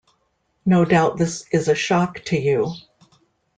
No doubt this is a shock to you.